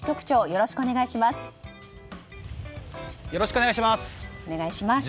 よろしくお願いします。